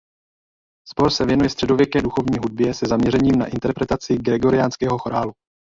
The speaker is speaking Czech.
Sbor se věnuje středověké duchovní hudbě se zaměřením na interpretaci gregoriánského chorálu.